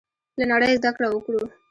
له نړۍ زده کړه وکړو.